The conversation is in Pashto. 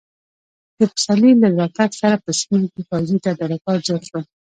د پسرلي له راتګ سره په سیمه کې پوځي تدارکات زیات شول.